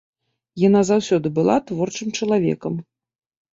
Яна заўсёды была творчым чалавекам.